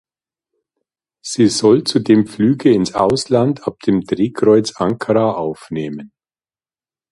Sie soll zudem Flüge ins Ausland ab dem Drehkreuz Ankara aufnehmen.